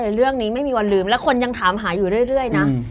เรื่องนี้ไม่มีวันลืมแล้วคนยังถามหาอยู่เรื่อยนะ